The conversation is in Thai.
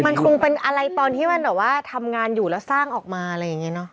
มันคงเป็นอะไรตอนที่มันแบบว่าทำงานอยู่แล้วสร้างออกมาอะไรอย่างนี้เนอะ